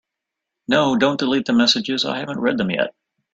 No, don’t delete the messages, I haven’t read them yet.